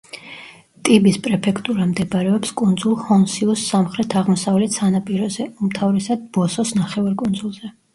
ტიბის პრეფექტურა მდებარეობს კუნძულ ჰონსიუს სამხრეთ-აღმოსავლეთ სანაპიროზე, უმთავრესად ბოსოს ნახევარკუნძულზე.